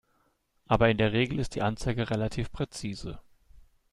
Aber in der Regel ist die Anzeige relativ präzise.